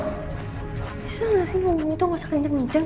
bisa gak sih ngomong gitu gak usah kenceng kenceng